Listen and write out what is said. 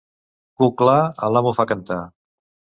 Cuc clar, a l'amo fa cantar.